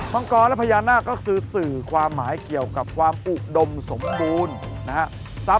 มังกรและพญานาคก็คือสื่อความหมายเกี่ยวกับความอุดมสมบูรณ์นะครับ